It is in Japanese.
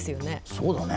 そうだね。